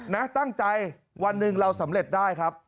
นะตั้งใจวันหนึ่งเราสำเร็จได้ครับ